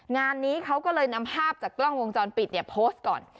งานนี้เขาก็เลยนำภาพจากกล้องวงจรปิดเนี่ยโพสต์ก่อน